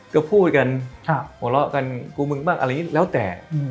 ก็พูดกันหัวเราะกันกูมึงบ้างอะไรอย่างนี้แล้วแต่